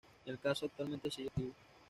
El caso actualmente sigue activo.